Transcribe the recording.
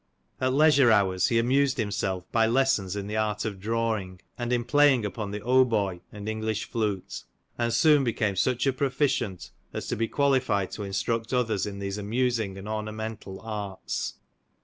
At leisure hours he amused himself by lessons in the art of drawing, and in playing upon the hautboy and English flute, and soon became such a proficient as to be qualified to instruct others in these amusing and ornamental arts.